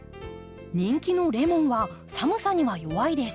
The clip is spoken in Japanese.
人気のレモンは寒さには弱いです。